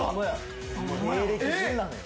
芸歴順なのよ。